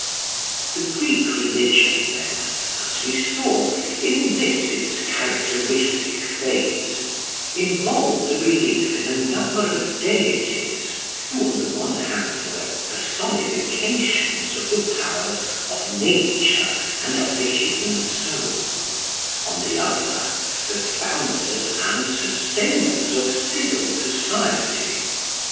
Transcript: The Greek religion, then, as we saw, in this its characteristic phase, involved a belief in a number of deities who on the one hand were personifications of the powers of nature and of the human soul, on the other the founders and sustainers of civil society.